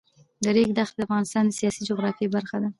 د ریګ دښتې د افغانستان د سیاسي جغرافیه برخه ده.